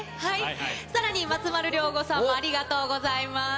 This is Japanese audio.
さらに、松丸亮吾さんもありがとうございます。